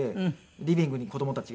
リビングに子供たちが。